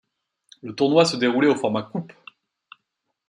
Le tournoi se déroulait au format coupe.